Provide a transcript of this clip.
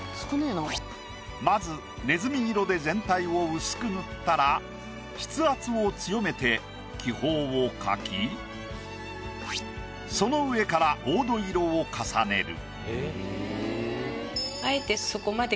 まずねずみ色で全体を薄く塗ったら筆圧を強めて気泡を描きその上から黄土色を重ねる。